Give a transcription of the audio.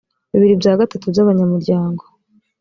bibiri bya gatatu by abanyamuryango